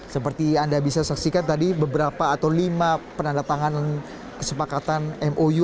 seperti anda bisa saksikan tadi beberapa atau lima penandatanganan kesepakatan mou